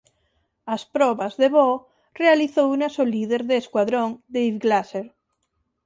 As probas de voo realizounas o líder de escuadrón Dave Glaser.